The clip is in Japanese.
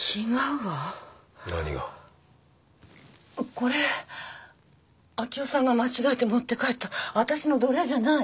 これ明生さんが間違えて持って帰った私の土鈴じゃない。